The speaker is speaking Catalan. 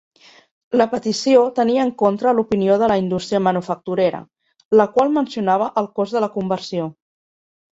La petició tenia en contra l'opinió de la indústria manufacturera, la qual mencionava el cost de la conversió.